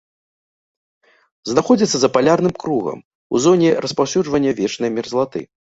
Знаходзіцца за палярным кругам, у зоне распаўсюджвання вечнай мерзлаты.